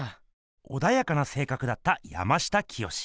おだやかなせいかくだった山下清。